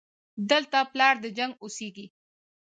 دلته پلار د جنګ اوسېږي